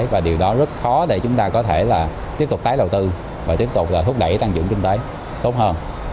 và điều đó rất khó để chúng ta có thể là tiếp tục tái đầu tư và tiếp tục là thúc đẩy tăng trưởng kinh tế tốt hơn